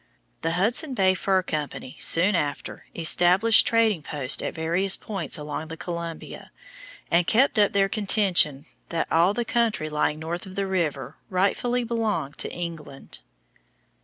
The Hudson Bay Fur Company soon after established trading posts at various points along the Columbia, and kept up their contention that all the country lying north of the river rightfully belonged to England.